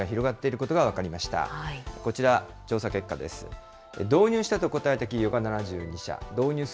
こちら、調査結果です。